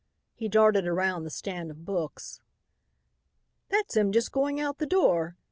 He darted around the stand of books. "That's him just going out the door.